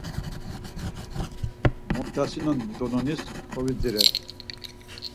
Moxtasinon dolonis kovidziret.